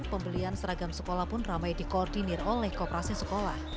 pembelian seragam sekolah pun ramai dikoordinir oleh kooperasi sekolah